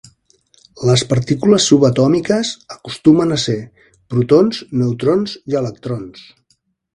Les partícules subatòmiques acostumen a ser: protons, neutrons i electrons.